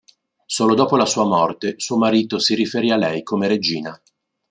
Solo dopo la sua morte suo marito si riferì a lei come regina.